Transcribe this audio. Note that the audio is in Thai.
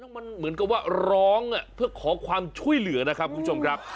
มันเหมือนกับว่าร้องเพื่อขอความช่วยเหลือนะครับคุณผู้ชมครับ